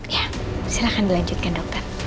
ya silahkan dilanjutkan dokter